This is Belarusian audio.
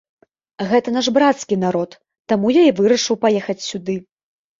Гэта наш брацкі народ, таму я і вырашыў паехаць сюды.